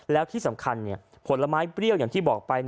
แล้วที่สำคัญผลไม้เปรี้ยวอย่างที่บอกไป